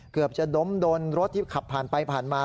เกือบจะล้มโดนรถที่ขับผ่านไปผ่านมา